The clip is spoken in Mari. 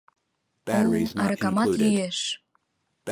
О-о, аракамат йӱэш!